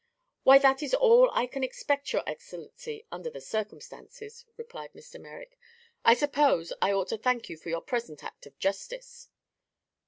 "Why, that is all I can expect, your Excellency, under the circumstances," replied Mr. Merrick. "I suppose I ought to thank you for your present act of justice."